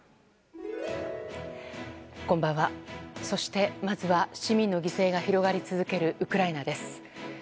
そして、まずは市民の犠牲が広がり続けるウクライナです。